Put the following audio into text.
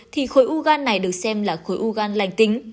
thì khối u gan này được xem là khối u gan lành tính